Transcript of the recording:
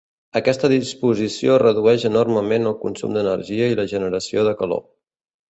Aquesta disposició redueix enormement el consum d'energia i la generació de calor.